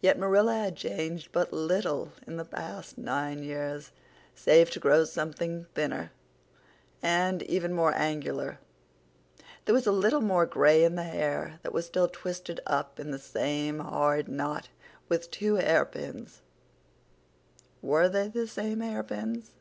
Yet Marilla had changed but little in the past nine years, save to grow something thinner, and even more angular; there was a little more gray in the hair that was still twisted up in the same hard knot, with two hairpins—were they the same hairpins?